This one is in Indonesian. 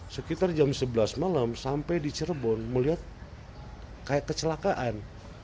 sekitar jam sebelas malam sampai di cirebon melihat kayak kecelakaan